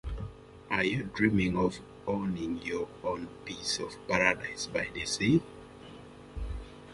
Are you dreaming of owning your own piece of paradise by the sea?